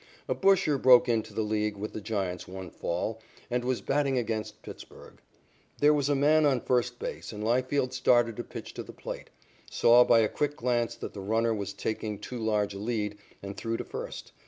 A busher broke into the League with the Giants one fall and was batting against Pittsburg. There was a man on first base and Leifield started to pitch to the plate, saw by a quick glance that the runner was taking too large a lead, and threw to first.